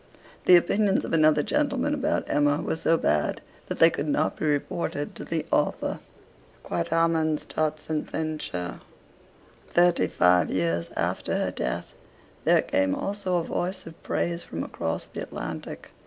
The opinions of another gentleman about 'Emma' were so bad that they could not be reported to the author. 'Quot homines, tot sententiae.' Thirty five years after her death there came also a voice of praise from across the Atlantic.